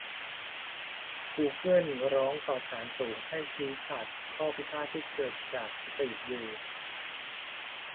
กูเกิลร้องต่อศาลสูง ให้ชี้ขาดข้อพิพาทที่เกิดจากสตรีทวิว